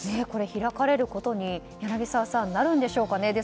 これ開かれることになるんでしょうかね。